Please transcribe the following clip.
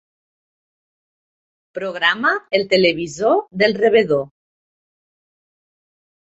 Programa el televisor del rebedor.